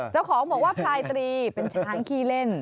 เจ้าของบอกว่าพลายตรีเป็นช้างขี้เล่น